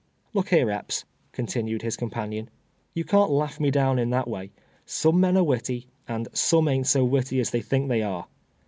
" Look here, Epps," continued his companion ;" you can't laugh me down in that way. Some men are •witty, and some ain't so witty as they think they are.